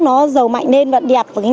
nó giàu mạnh lên và đẹp